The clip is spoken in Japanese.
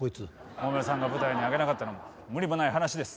桃代さんが舞台に上げなかったのも無理もない話です。